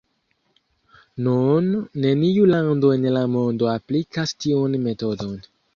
Nun neniu lando en la mondo aplikas tiun metodon.